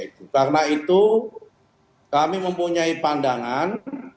karena itu kami mempunyai pandangan